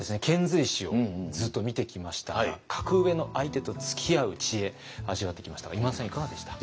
遣隋使をずっと見てきましたが格上の相手とつきあう知恵味わってきましたが今田さんいかがでした？